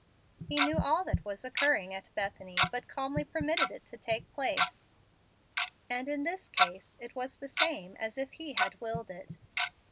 He knew all that was occurring at Bethany, but calmly permitted it to take place, and in this case it was the same as if He had willed it.